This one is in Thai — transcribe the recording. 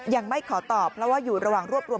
ยังไม่ขอตอบเพราะว่าอยู่ระหว่างรวบรวม